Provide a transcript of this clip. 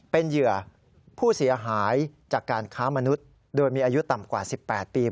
เป็นเหยื่อผู้เสียหายจากการค้ามนุษย์โดยมีอายุต่ำกว่า๑๘ปี